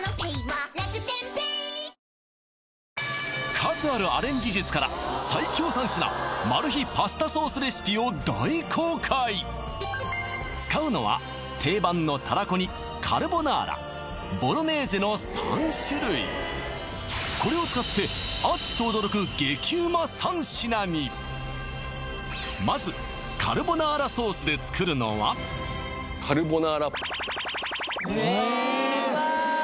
数あるアレンジ術から使うのは定番のたらこにカルボナーラボロネーゼの３種類これを使ってあっと驚く激ウマ３品にまずカルボナーラソースで作るのはカルボナーラへえうわ